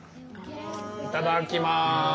いただきます。